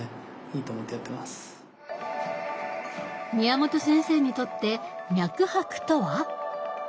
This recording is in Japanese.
宮本先生にとって脈拍とは？